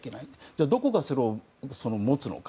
じゃあ、どこがそれを持つのか。